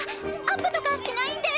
アップとかしないんで。